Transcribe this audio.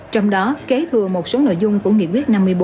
trong đó kế thừa một số nội dung của nghị quyết năm mươi bốn